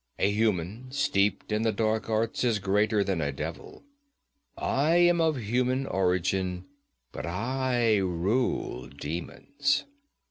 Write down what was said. A human steeped in the dark arts is greater than a devil. I am of human origin, but I rule demons.